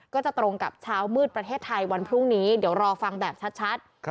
ก็จะตรงกับเช้ามืดประเทศไทยวันพรุ่งนี้เดี๋ยวรอฟังแบบชัด